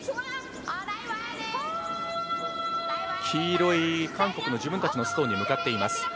黄色い韓国の自分たちのストーンに向かっています。